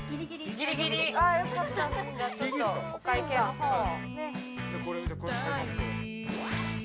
ギリギリ！じゃあちょっとお会計の方を。